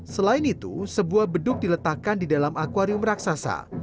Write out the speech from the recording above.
selain itu sebuah beduk diletakkan di dalam akwarium raksasa